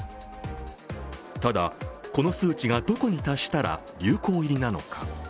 ただ、この数値が、どこに達したら流行入りなのか。